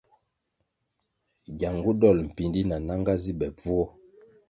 Giangu dol mpíndí na nanga zi be bvuo.